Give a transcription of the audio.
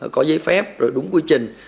có giấy phép rồi đúng quy trình